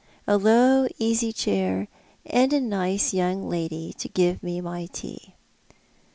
A low, easy chair, and a nice young lady to give me my tea."